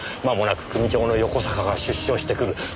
まもなく組長の横坂が出所してくる。